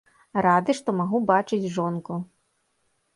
Рады, што магу бачыць жонку.